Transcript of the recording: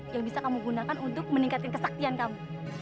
yang bisa kamu gunakan untuk meningkatkan kesaktian kamu